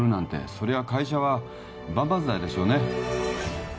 そりゃ会社は万々歳でしょうね